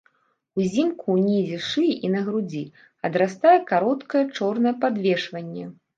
Узімку ўнізе шыі і на грудзі адрастае кароткае чорнае падвешванне.